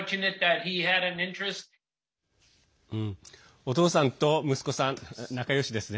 お父さんと息子さん仲よしですね。